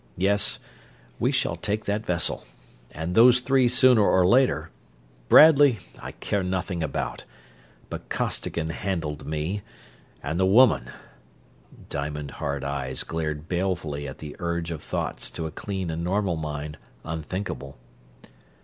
Yes, we shall take that vessel. And those three sooner or later. Bradley I care nothing about ... but Costigan handled me ... and the woman...." Diamond hard eyes glared balefully at the urge of thoughts to a clean and normal mind unthinkable.